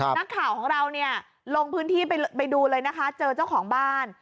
นักข่าวของเราเนี่ยลงพื้นที่ไปดูเลยนะคะเจอเจ้าของบ้าน